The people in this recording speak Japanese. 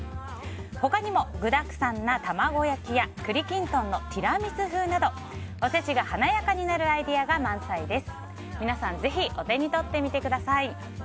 他にも具だくさんな卵焼きも栗きんとんのティラミス風などおせちが華やかになるアイデアが満載です。